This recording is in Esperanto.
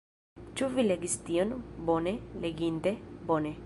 Ĉu vi legis tion? Bone? Leginte? Bone.